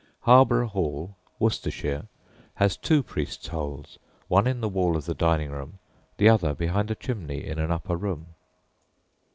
Harborough Hall, Worcestershire, has two "priests' holes," one in the wall of the dining room, the other behind a chimney in an upper room.